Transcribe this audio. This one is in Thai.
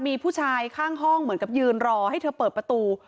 มีผู้ชายข้างห้องเหมือนกับยืนรอให้เธอเปิดประตู